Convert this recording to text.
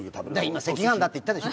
今赤飯だって言ったでしょ。